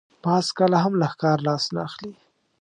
باز کله هم له ښکار لاس نه اخلي